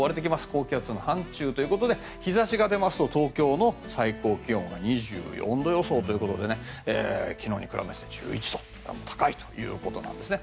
高気圧の範ちゅうということで日差しが出ますと東京の最高気温が２４度予想ということで昨日に比べまして、１１度高いということなんですね。